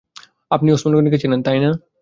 আপনি ওসমান গনিকে চেনেন, তাই না?